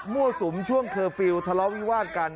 มั่วสุมช่วงเคอร์ฟิลด์ทะเลาวิวาสกัน